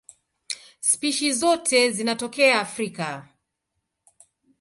Spishi zote zinatokea Afrika.